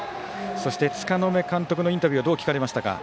そして柄目監督のインタビューはどう聞かれましたか？